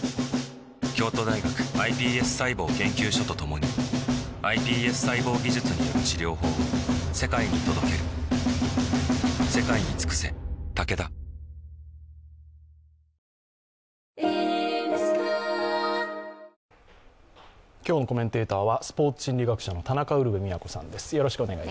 京都大学ｉＰＳ細胞研究所と共にｉＰＳ細胞技術による治療法を世界に届ける今日のコメンテーターはスポーツ心理学者の田中ウルヴェ京さんです。